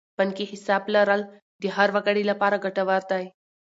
بانکي حساب لرل د هر وګړي لپاره ګټور دی.